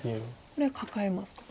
これはカカえますか。